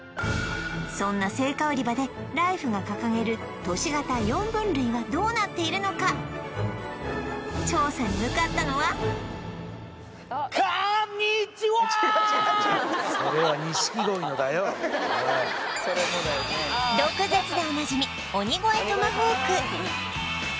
そんな青果売場でライフが掲げる都市型４分類はどうなっているのか調査に向かったのは毒舌でおなじみ